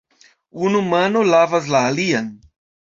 Unu mano lavas la alian.